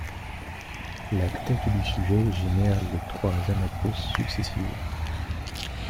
La tête du sujet génère les trois anacrouses successives.